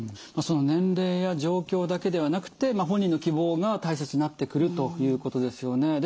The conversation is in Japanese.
その年齢や状況だけではなくて本人の希望が大切になってくるということですよね。